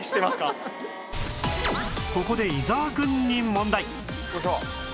ここで伊沢くんに問題